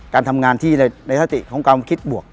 การทำงานที่ในสติของความคิดบวก